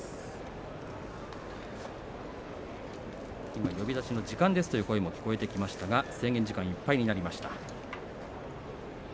今、呼出しの時間ですという声が聞こえてきましたが制限時間いっぱいになりました。